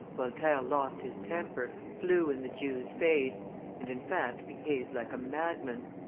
Voltaire lost his temper, flew in the Jew's face, and, in fact, behaved like a madman.